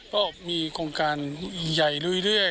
ก็มีโครงการใหญ่เรื่อย